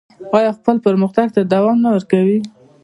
آیا او خپل پرمختګ ته دوام نه ورکوي؟